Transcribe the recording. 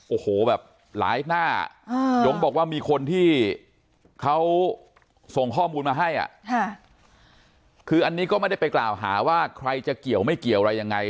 โอ้โหแบบหลายหน้ายงบอกว่ามีคนที่เขาส่งข้อมูลมาให้คืออันนี้ก็ไม่ได้ไปกล่าวหาว่าใครจะเกี่ยวไม่เกี่ยวอะไรยังไง